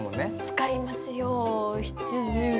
使いますよ。